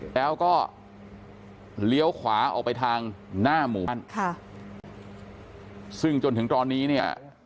แล้วก็เลี้ยวขวาออกไปทางหน้าหมู่บ้านค่ะซึ่งจนถึงตอนนี้เนี่ย